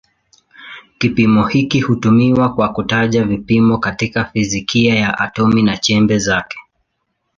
Kipimo hiki hutumiwa kwa kutaja vipimo katika fizikia ya atomi na chembe zake.